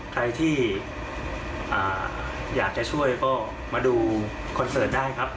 ใครที่อยากจะช่วยก็มาดูคอนเสิร์ตได้ครับ